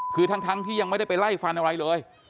คือทั้งที่ยังไม่ได้ไปไล่ฟันอะไรเลย